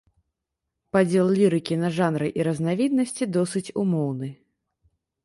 Падзел лірыкі на жанры і разнавіднасці досыць умоўны.